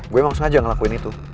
gue emang sengaja ngelakuin itu